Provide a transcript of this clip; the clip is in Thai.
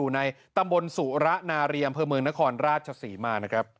ในตำบลสุระนารีอำเภอเมืองนครราชศรีมานะครับ